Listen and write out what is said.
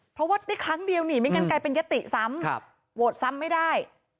เพราะว่าได้ครั้งเดียวนี่ไม่งั้นกลายเป็นยติซ้ำโหวตซ้ำไม่ได้